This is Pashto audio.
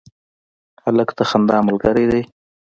هلک د خندا ملګری دی.